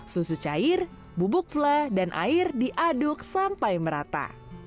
susu cair bubuk fla dan air diaduk sampai merata